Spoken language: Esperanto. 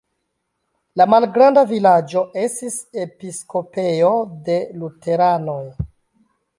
La malgranda vilaĝo estis episkopejo de luteranoj.